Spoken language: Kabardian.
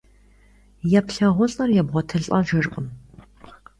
ЕплъагъулӀэр ебгъуэтылӀэжыркъым.